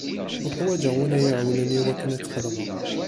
Uḥwaǧeɣ win ara yi-iɛawnen i wakken ad t-xedmeɣ.